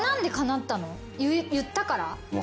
言ったから？